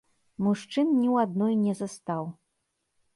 Мужчын ні ў адной не застаў.